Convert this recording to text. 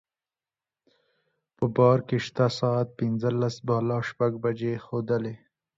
په بار کې شته ساعت پنځلس بالا شپږ بجې ښوولې.